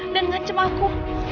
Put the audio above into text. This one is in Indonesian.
dan ngancem aku